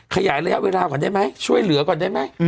ขยายระยะเวลาก่อนได้ไหมช่วยเหลือก่อนได้ไหม